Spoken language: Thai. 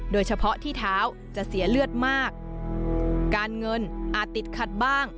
โดยเฉพาะที่เท้าจะเสียเลือดมากการเงินอาจติดขัดบ้าง